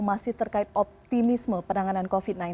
masih terkait optimisme penanganan covid sembilan belas